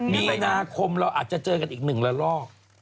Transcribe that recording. มีนาคมเราอาจจะเจอกันอีกหนึ่งละลอก